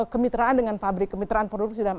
kemitraan dengan fabrik kemitraan produk di dalam